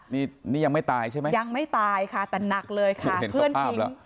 นี่นี่ยังไม่ตายใช่ไหมยังไม่ตายค่ะแต่หนักเลยค่ะเพื่อนทิ้ง